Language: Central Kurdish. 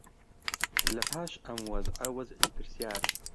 لەپاش ئەم وەزعە وەزعی پرسیار